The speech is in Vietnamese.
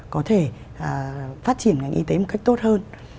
có thể phát triển ngành y tế một cách tốt hơn